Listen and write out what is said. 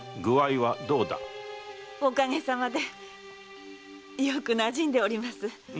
お陰様でよくなじんでおります。